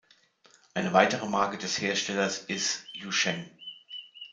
Eine weitere Marke des Herstellers is "Yu Sheng".